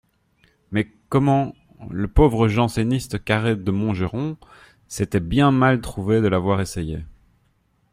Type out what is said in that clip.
Mais comment ? Le pauvre janséniste Carré de Montgeron s'était bien mal trouvé de l'avoir essayé.